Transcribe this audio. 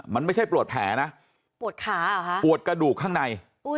มันไม่ใช่ปวดแผลนะปวดกระดูกข้างใน